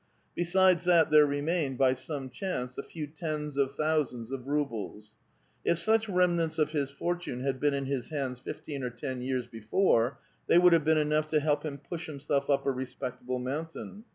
Besides that, there remained, by some chance, a few tens of thousands of rubles. If such remnants of his fortune had been in his hands fifteen or ten years before, thej' would have been enough to help him push him self up a respectable mountain.